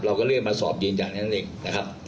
เราก็เริ่มมาสอบยืนจากนั้นเองนะครับ